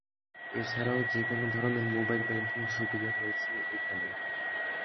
এছাড়াও যেকোন ধরনের মোবাইল ব্যাংকিং সুবিধা রয়েছে এখানে।